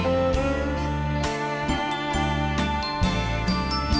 แล้วก็เพลงกะเกม